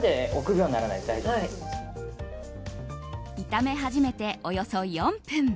炒め始めて、およそ４分。